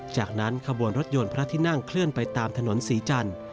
จากนั้นขบวนรถยนต์พระที่นั่งเคลื่อนไปตามถนนศรีจันทร์